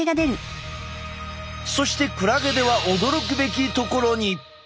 そしてクラゲでは驚くべきところに！